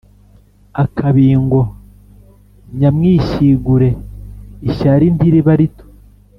Akabingo nyamwishyigure-Ishyari ntiriba rito.